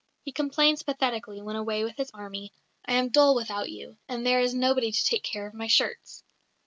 He complains pathetically, when away with his army, "I am dull without you and there is nobody to take care of my shirts."